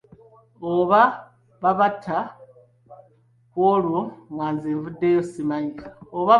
Oba baabatta ku olwo nga nze nvuddeyo simanyi.